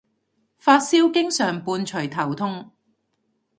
發燒經常伴隨頭痛